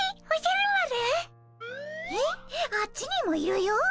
あっちにもいるよ？